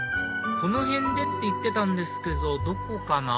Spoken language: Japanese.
この辺でって言ってたけどどこかな？